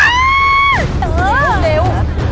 เร็วเร็ว